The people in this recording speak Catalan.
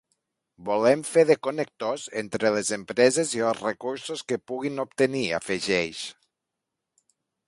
“Volem fer de connectors entre les empreses i els recursos que puguin obtenir”, afegeix.